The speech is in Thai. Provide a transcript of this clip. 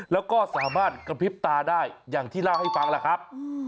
แล้วก็สามารถกระพริบตาได้อย่างที่เล่าให้ฟังล่ะครับ